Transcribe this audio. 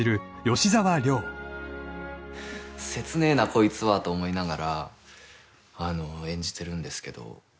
切ねえなこいつはと思いながら演じてるんですけど。